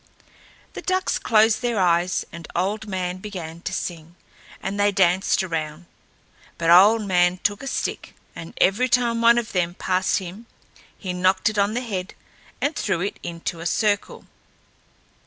The ducks closed their eyes and Old Man began to sing, and they danced around; but Old Man took a stick, and every time one of them passed him, he knocked it on the head and threw it into the circle.